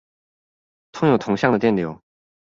通有同向的電流